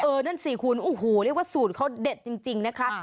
นั่นสิคุณโอ้โหเรียกว่าสูตรเขาเด็ดจริงนะคะ